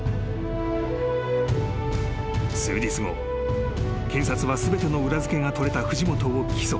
［数日後検察は全ての裏付けが取れた］